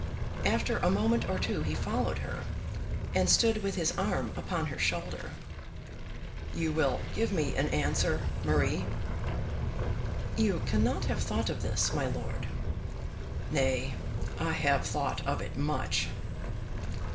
After a moment or two he followed her, and stood with his arm upon her shoulder. "You will give me an answer, Marie?" "You cannot have thought of this, my lord." "Nay; I have thought of it much."